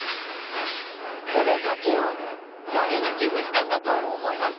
この竹を誰が寄付したんだと思います？